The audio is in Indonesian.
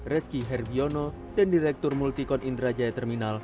reski herbiono dan direktur multikon indrajaya terminal